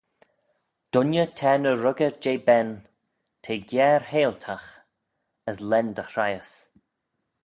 Dooinney t'er ny ruggey jeh ben, t'eh giare-heihltagh, as lane dy hreihys.